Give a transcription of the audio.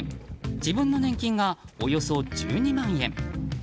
自分の年金が、およそ１２万円。